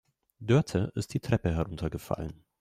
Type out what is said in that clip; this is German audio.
Dörte ist die Treppe heruntergefallen.